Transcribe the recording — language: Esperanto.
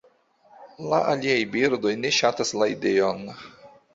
La aliaj birdoj ne ŝatas la ideon.